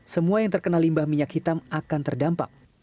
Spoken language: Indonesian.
semua yang terkena limbah minyak hitam akan terdampak